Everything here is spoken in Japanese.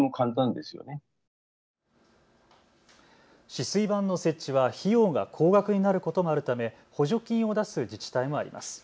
止水板の設置は費用が高額になることもあるため補助金を出す自治体もあります。